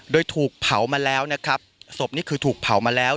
โดยถูกเผามาแล้วนะครับศพนี่คือถูกเผามาแล้ว